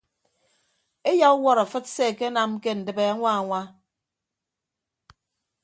Eyauwọt afịt se akenam ke ndịbe añwa añwa.